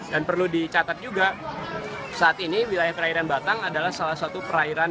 dan perlu dicatat juga saat ini wilayah perairan batang adalah salah satu perairan